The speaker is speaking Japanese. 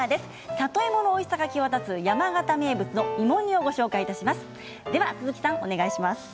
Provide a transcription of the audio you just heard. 里芋のおいしさが際立つ山形名物の芋煮をご紹介します。